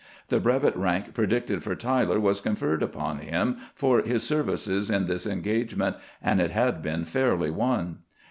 The brevet rank predicted for Tyler was conferred upon him for his ser vices in this engagement, and it had been fairly won.